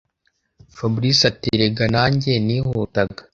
fabric ati”erega najye nihutaga